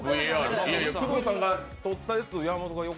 工藤さんがとったやつ横から山本が。